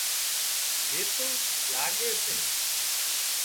جيتُو لاڳي سي